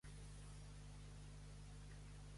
I què va comentar el comte que farien realment primer?